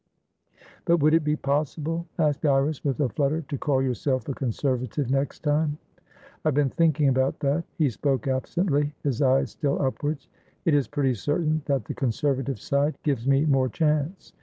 "But would it be possible?" asked Iris, with a flutter, "to call yourself a Conservative next time?" "I have been thinking about that." He spoke absently, his eyes still upwards. "It is pretty certain that the Conservative side gives me more chance.